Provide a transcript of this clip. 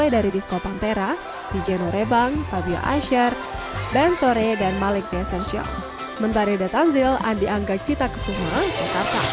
dijeno rebang fabio asyar ben sore dan malik desensio